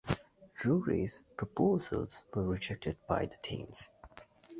Drewry's proposals were rejected by the teams.